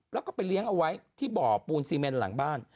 แล้วก็ไปเลี้ยงเอาไว้ที่บ่อปูนซีเมนหลังบ้าน